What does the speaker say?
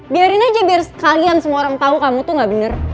biarin aja biar kalian semua orang tahu kamu tuh gak bener